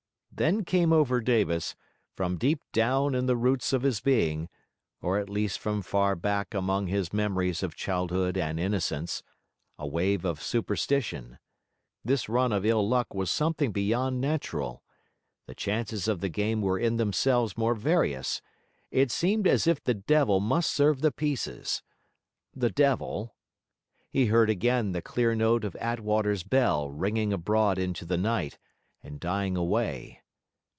Then came over Davis, from deep down in the roots of his being, or at least from far back among his memories of childhood and innocence, a wave of superstition. This run of ill luck was something beyond natural; the chances of the game were in themselves more various; it seemed as if the devil must serve the pieces. The devil? He heard again the clear note of Attwater's bell ringing abroad into the night, and dying away.